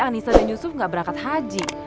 anissa dan yusuf gak berangkat haji